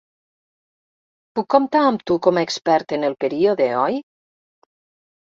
Puc comptar amb tu com a expert en el període, oi?